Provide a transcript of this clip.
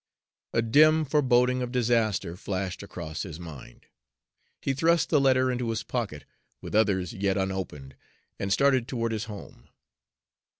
A dim foreboding of disaster flashed across his mind. He thrust the letter into his pocket, with others yet unopened, and started toward his home.